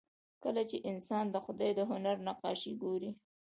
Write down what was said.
کله چې انسان د خدای د هنر نقاشي ګوري